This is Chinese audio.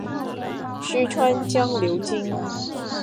虚川江流经。